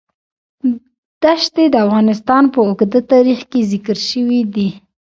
دښتې د افغانستان په اوږده تاریخ کې ذکر شوی دی.